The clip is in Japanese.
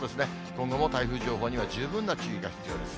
今後も台風情報には十分な注意が必要です。